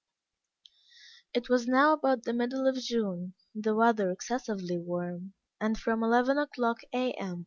It was now about the middle of June, the weather excessively warm, and from eleven o'clock, A. M.